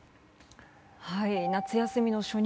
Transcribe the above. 夏休みの初日